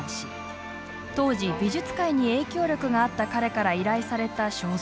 当時美術界に影響力があった彼から依頼された肖像画。